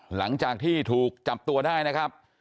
หลังจากที่ถูกจับตัวได้นะครับ